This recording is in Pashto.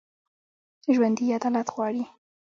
ژوندي عدالت غواړي